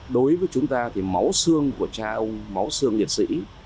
đối với chúng ta thì máu xương của cha ông máu xương liệt sĩ